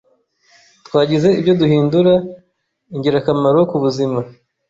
Twagize ibyo duhindura ingirakamaro ku buzima